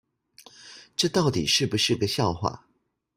這到底是不是個笑話